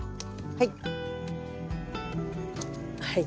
はい。